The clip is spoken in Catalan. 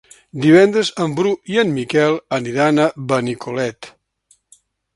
Divendres en Bru i en Miquel aniran a Benicolet.